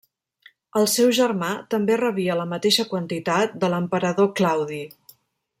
El seu germà també rebia la mateixa quantitat de l'emperador Claudi.